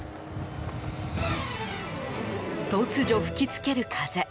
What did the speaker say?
突如、吹き付ける風。